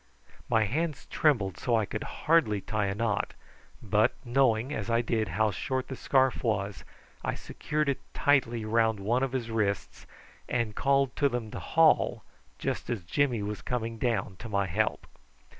My hands trembled so that I could hardly tie a knot, but knowing, as I did, how short the scarf was, I secured it tightly round one of his wrists and called to them to haul just as Jimmy was coming down to my help.